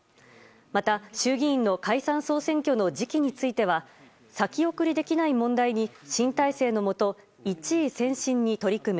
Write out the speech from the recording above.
また衆議院の解散・総選挙の時期については先送りできない問題に新体制のもと一意専心に取り組む。